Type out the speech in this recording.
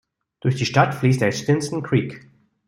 Durch die Stadt fließt der Stinson Creek.